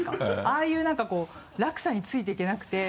ああいう何かこう落差について行けなくて。